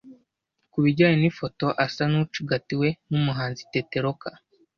Ku bijyanye n’ifoto asa n’ucigatiwe n’umuhanzi Tete Roca